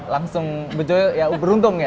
langsung betul ya beruntung ya